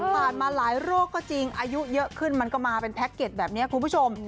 ผ่านมาหลายโรคก็จริงอายุเยอะขึ้นมันก็มาเป็นแพ็คเก็ตแบบนี้คุณผู้ชม